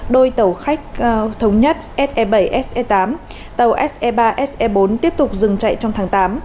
đôi tàu khách thống nhất se bảy se tám tàu se ba se bốn tiếp tục dừng chạy trong tháng tám